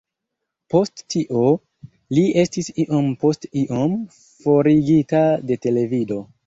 Post tio, li estis iom post iom forigita de televido.